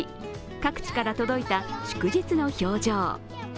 各地から届いた祝日の表情。